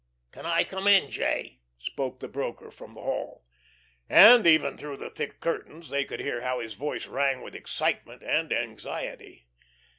"Can I come in, J.?" spoke the broker, from the hall. And even through the thick curtains they could hear how his voice rang with excitement and anxiety.